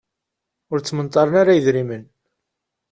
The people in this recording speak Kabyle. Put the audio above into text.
Ur ttmenṭaren ara yidrimen.